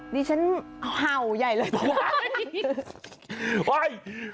ดิฉันเห่าใหญ่เลย